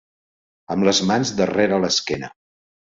Amb les mans darrere l'esquena.